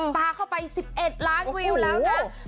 ปลาเข้าไป๑๑ล้านวิวแล้วนะ